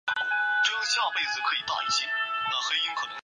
早年投资并经营奉锦天一垦务公司。